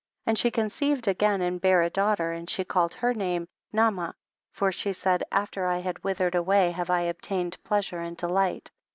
25. And she conceived again and bare a daughter, and she called her name Naamah, for she said, after I had withered away have I obtained pleasure and delight.